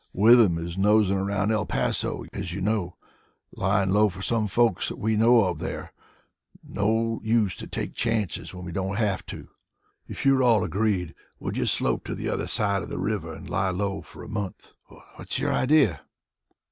Withem is nosing around El Paso as you know, lying low for some folks that we know of there. No use to take chances when we don't have to. If you're all agreed we'll just slope to the other side of the river and lie low for a month. What's your idea?"